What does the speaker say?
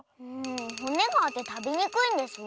ほねがあってたべにくいんですわ。